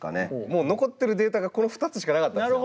もう残ってるデータがこの２つしかなかったんです。